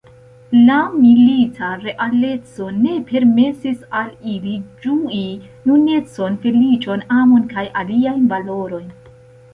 La milita realeco ne permesis al ili ĝui junecon, feliĉon, amon kaj aliajn valorojn.